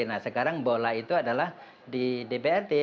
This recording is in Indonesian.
nah sekarang bola itu adalah di dprd